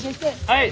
はい！